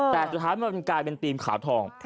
แต่สุดท้ายมันกลายเป็นธีมขาวทอง